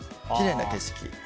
きれいな景色。